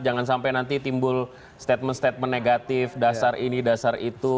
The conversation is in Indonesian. jangan sampai nanti timbul statement statement negatif dasar ini dasar itu